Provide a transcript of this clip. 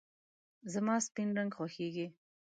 زما سپین رنګ خوښېږي .